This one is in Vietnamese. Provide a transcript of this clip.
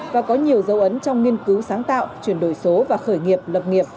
và có nhiều dấu ấn trong nghiên cứu sáng tạo chuyển đổi số và khởi nghiệp lập nghiệp